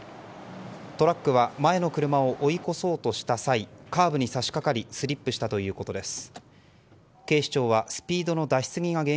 トラックは前の車を追い越そうとした際カーブに差し掛かりスリップしたということです。